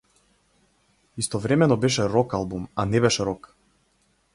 Истовремено беше рок-албум, а не беше рок.